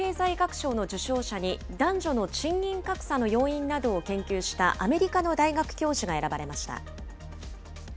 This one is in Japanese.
ことしのノーベル経済学賞の受賞者に男女の賃金格差の要因などを研究したアメリカの大学教授が選ばれました。